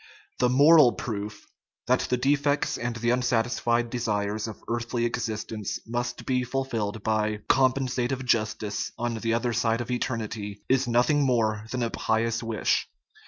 The moral proof that the defects and the unsatisfied desires of earthly existence must be fulfilled by " compensative justice " on the other side of eternity is nothing more than a pious wish.